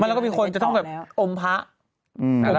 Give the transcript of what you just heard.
แล้วก็มีคนจะต้องแบบอมพระ